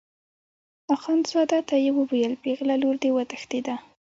اخندزاده ته یې وویل پېغله لور دې وتښتېده.